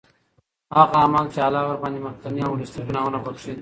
هغه أعمال چې الله ورباندي مخکيني او وروستنی ګناهونه بخښي